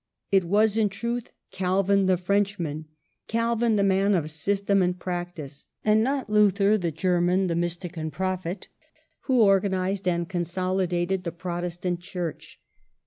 It was in truth Calvin the French man, Calvin the man of system and practice, and not Luther the German, the mystic and prophet, who organized and consolidated the Protestant Church.